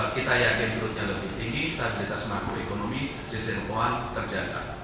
kita yakin perutnya lebih tinggi stabilitas makroekonomi sistem keuangan terjaga